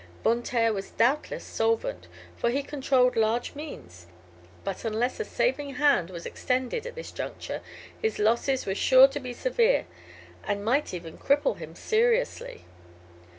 Von Taer was doubtless solvent, for he controlled large means; but unless a saving hand was extended at this juncture his losses were sure to be severe, and might even cripple him seriously.